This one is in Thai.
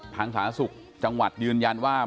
ทางศาสตร์ศุกร์จังหวัดยืนยันว่า